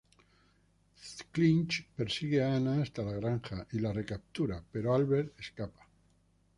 Clinch persigue a Anna hasta la granja y la recaptura, pero Albert escapa.